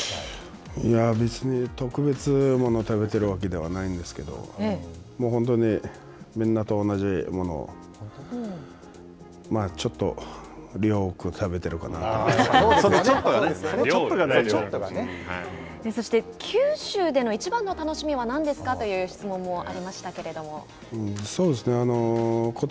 別に特別なものを食べているわけではないんですけれども本当に、みんなと同じものをちょっと量を多くそのちょっとがねそして九州でのいちばんの楽しみはなんですかという質問もありましたけれども。